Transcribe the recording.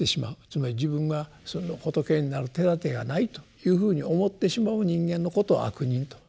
つまり自分が仏になる手だてがないというふうに思ってしまう人間のことを「悪人」と。